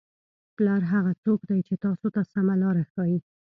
پلار هغه څوک دی چې تاسو ته سمه لاره ښایي.